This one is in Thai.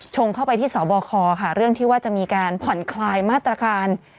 เข้าไปที่สบคค่ะเรื่องที่ว่าจะมีการผ่อนคลายมาตรการ